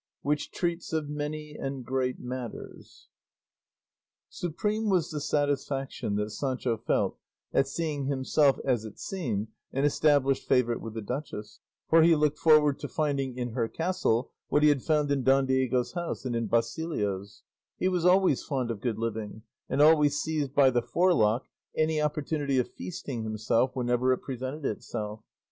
WHICH TREATS OF MANY AND GREAT MATTERS Supreme was the satisfaction that Sancho felt at seeing himself, as it seemed, an established favourite with the duchess, for he looked forward to finding in her castle what he had found in Don Diego's house and in Basilio's; he was always fond of good living, and always seized by the forelock any opportunity of feasting himself whenever it presented itself.